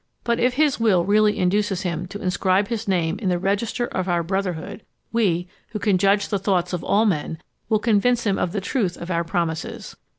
But if his_ will _really induces him to inscribe his name in the register of our brotherhood, we, who can judge of the thoughts of all men, will convince him of the truth of our promises.